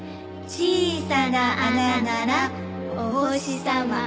小さな穴ならお星様。